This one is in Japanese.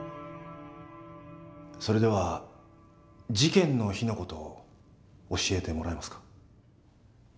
それでは事件の日の事を教えてもらえますか？